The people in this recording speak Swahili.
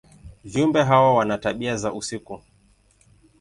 Viumbe hawa wana tabia za usiku.